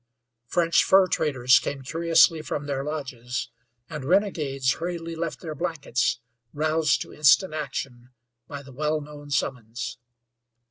French fur traders came curiously from their lodges, and renegades hurriedly left their blankets, roused to instant action by the well known summons.